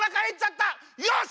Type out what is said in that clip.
よし！